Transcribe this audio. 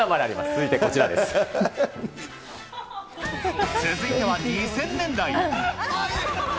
続いては２０００年代。